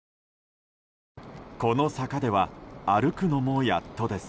この坂では歩くのもやっとです。